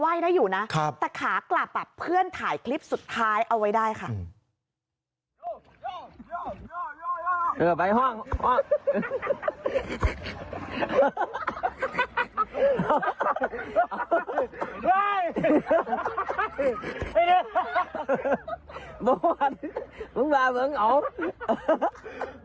เมียเองไว้ได้รู้ได้ยังไง